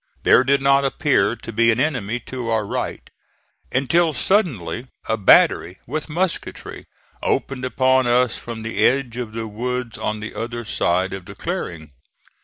There did not appear to be an enemy to our right, until suddenly a battery with musketry opened upon us from the edge of the woods on the other side of the clearing.